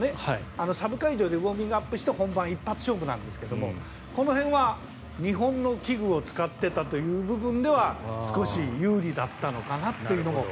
サブ会場でウォーミングアップをして本番一発勝負なんですけどこの辺は日本の器具を使っていたという部分では少し、有利だったのかなと。